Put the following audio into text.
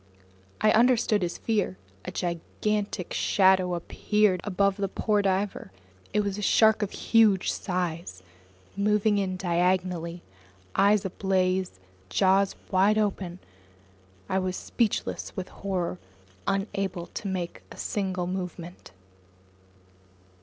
I understood his fear. A gigantic shadow appeared above the poor diver. It was a shark of huge size, moving in diagonally, eyes ablaze, jaws wide open! I was speechless with horror, unable to make a single movement.